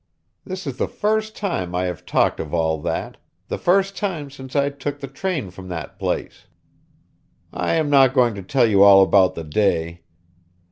This is the first time I have talked of all that, the first time since I took the train from that place. I am not going to tell you all about the day.